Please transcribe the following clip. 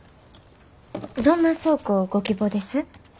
どんな倉庫ご希望です？